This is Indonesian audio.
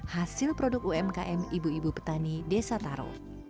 hasil produk umkm ibu ibu petani desa taro